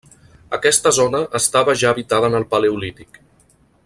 Aquesta zona estava ja habitada en el paleolític.